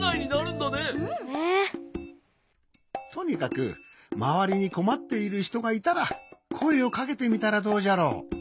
とにかくまわりにこまっているひとがいたらこえをかけてみたらどうじゃろ。